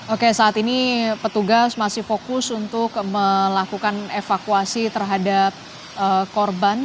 oke saat ini petugas masih fokus untuk melakukan evakuasi terhadap korban